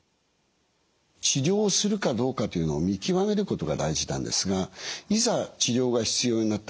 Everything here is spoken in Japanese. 治療するかどうかというのを見極めることが大事なんですがいざ治療が必要になった